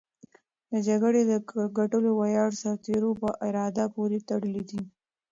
د جګړې د ګټلو ویاړ د سرتېرو په اراده پورې تړلی دی.